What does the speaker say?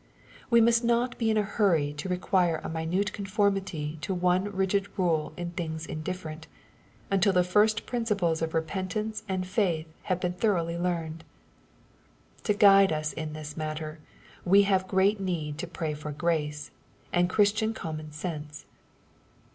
We must not be iq a hurry to require a minute conformity to one rigid rule in things indifferent, until the first principles of repentance and faith have been thoroughly learned. To guide us in this matter, we have great need to pray for grace, and Christian common sense.